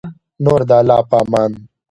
نور د الله په امان